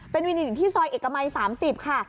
เป็นวินิตอยู่ที่ซอยเอกมัย๓๐ค่ะ